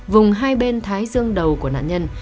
vùng hai bên thái dương đầu của nạn nhân